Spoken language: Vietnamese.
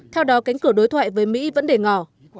theo đó cánh cửa đối thoại với mỹ vẫn để ngỏ